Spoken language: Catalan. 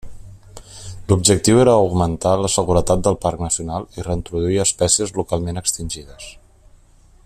L'objectiu era augmentar la seguretat del parc nacional i reintroduir espècies localment extingides.